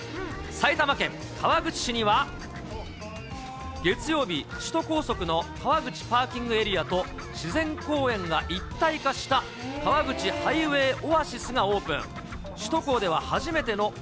埼玉県川口市には、月曜日、首都高速の川口パーキングエリアと自然公園が一体化した川口ハイウェイオアシスがオープン。